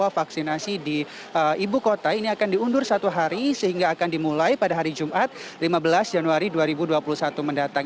vaksinasi di ibu kota ini akan diundur satu hari sehingga akan dimulai pada hari jumat lima belas januari dua ribu dua puluh satu mendatang